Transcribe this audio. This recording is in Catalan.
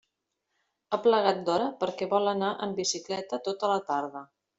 Ha plegat d'hora perquè vol anar en bicicleta tota la tarda.